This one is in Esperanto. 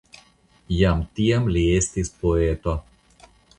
Jam tiam li estis poeto.